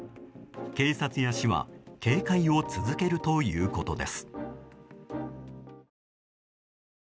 警察や市は警戒を続けるということです。